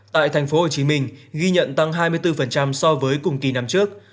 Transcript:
tại tp hcm ghi nhận tăng hai mươi bốn so với cùng kỳ năm trước